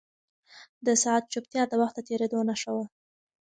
د ساعت چوپتیا د وخت د درېدو نښه وه.